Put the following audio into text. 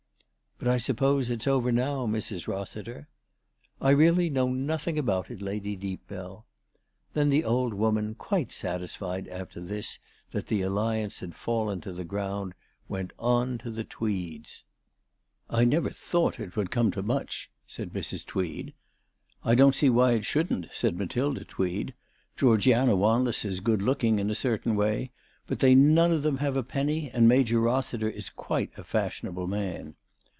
" But I suppose it's over now, Mrs. Rossiter ?"" I really know nothing about it, Lady Deepbell." Then the old woman, quite satisfied after this that the " alliance " had fallen to the ground, went on to the Tweeds.' " I never thought it would come to much," said Mrs. Tweed. " I don't see why it shouldn't," said Matilda Tweed. " Georgiana Wanless is good looking in a certain way ; but they none of them have a penny, and Major Rossi ter is quite a fashionable man."